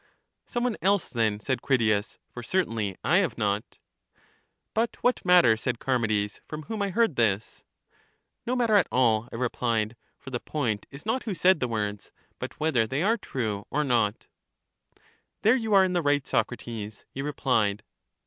Some one else, then, said Critias; for certainly I have not. But what matter, said Charmides, from whom I heard this? Digitized by VjOOQ IC CHARMIDES 19 No matter at all, I replied; for the point is not who said the words, but whether they are true or not. There you are in the right, Socrates, he repKed.